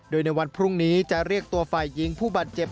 โดยในวันพรุ่งนี้จะเรียกตัวฝ่ายหญิงผู้บาดเจ็บ